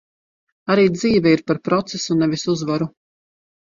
Arī dzīve ir par procesu, nevis uzvaru.